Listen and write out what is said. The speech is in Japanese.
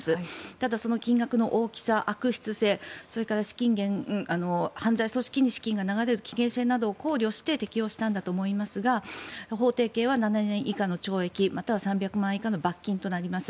ただ、その金額の大きさ、悪質性それから資金源、犯罪組織に資金が流れる危険性などを考慮して適用したんだと思いますが法定刑は７年以下の懲役または３００万円以下の罰金となります。